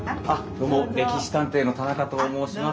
どうも「歴史探偵」の田中と申します。